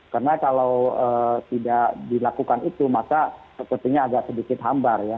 karena kalau tidak dilakukan itu maka sepertinya agak sedikit hambar ya